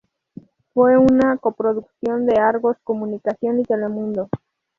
Fue una coproducción de Argos Comunicación y Telemundo.